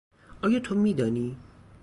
آیا تو میدانی؟